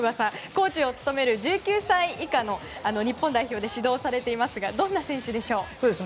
コーチを務める１９歳以下の日本代表で指導をされていますがどんな選手でしょう。